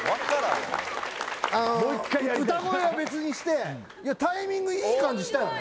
あの歌声は別にしてもう一回やりたいタイミングいい感じしたよね？